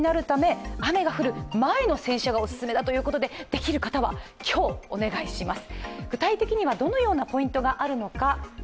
できる方は今日、お願いします。